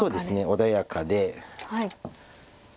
穏やかで。